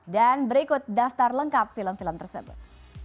dan berikut daftar lengkap film film tersebut